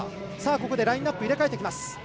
ここでラインアップ入れ替えてきます。